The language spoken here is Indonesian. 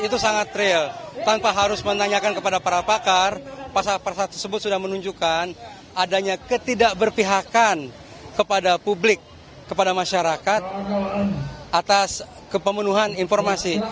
itu sangat real tanpa harus menanyakan kepada para pakar pasal pasal tersebut sudah menunjukkan adanya ketidakberpihakan kepada publik kepada masyarakat atas kepemenuhan informasi